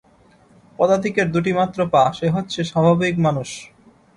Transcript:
পদাতিকের দুটি মাত্র পা, সে হচ্ছে স্বাভাবিক মানুষ।